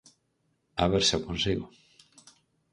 A ver se o consigo...